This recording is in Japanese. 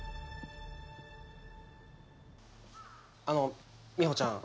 あのみほちゃん。